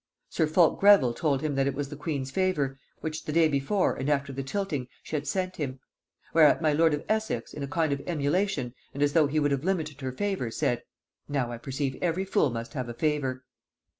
Sir Fulk Greville told him that it was the queen's favor, which the day before, and after the tilting, she had sent him: whereat my lord of Essex, in a kind of emulation, and as though he would have limited her favor, said, 'Now I perceive every fool must have a favor.'